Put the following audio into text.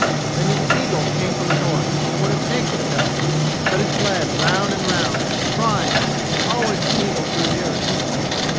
Then an eagle came from the north, and would have taken the dove, but it fled round and round, crying, and always the eagle drew nearer to it.